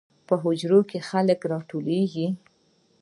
په حجرو کې خلک راټولیږي.